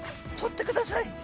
獲ってください！